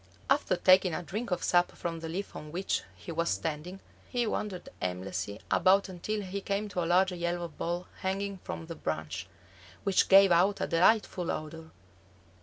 After taking a drink of sap from the leaf on which he was standing, he wandered aimlessly about until he came to a large yellow ball hanging from the branch, which gave out a delightful odor.